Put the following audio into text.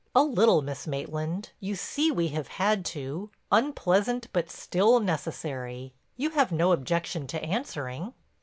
"A little, Miss Maitland. You see we have had to, unpleasant but still necessary—you have no objection to answering?"